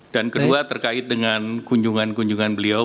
dan kedua terkait dengan kunjungan kunjungan beliau